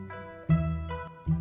ya pak sofyan